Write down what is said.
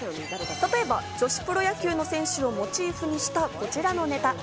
例えば女子プロ野球の選手をモチーフにしたこちらのネタ。